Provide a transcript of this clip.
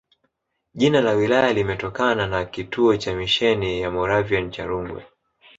Jina la wilaya limetokana na kituo cha misheni ya Moravian cha Rungwe